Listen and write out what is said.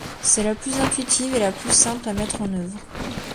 C’est la plus intuitive et la plus simple à mettre en œuvre.